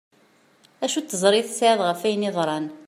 Acu n tiẓri i tesεiḍ ɣef ayen yeḍran?